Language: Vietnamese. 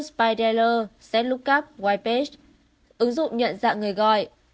spydealer setlookup whitepage ứng dụng nhận dạng người gọi